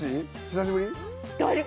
久しぶり？